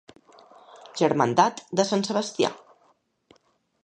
Germandat de Sant Sebastià.